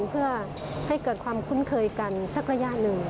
เพื่อให้เกิดความคุ้นเคยกันสักระยะหนึ่ง